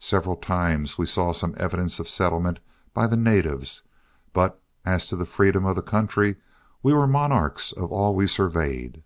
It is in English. Several times we saw some evidence of settlement by the natives, but as to the freedom of the country, we were monarchs of all we surveyed.